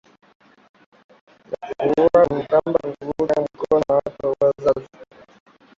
na kuamua kwamba zitamuunga mkono na huku ni wazi